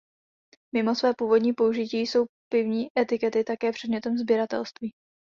Mimo své původní použití jsou pivní etikety také předmětem sběratelství.